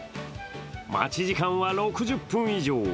待ち時間は６０分以上。